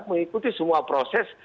dia mengikuti semua proses